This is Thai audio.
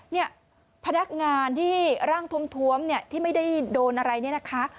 เนี่ยพนักงานที่ร่างทวมเนี่ยที่ไม่ได้โดนอะไรเนี่ยนะคะ